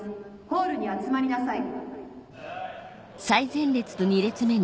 ホールに集まりなさい。